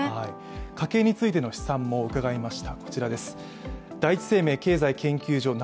家計についての試算も伺いました。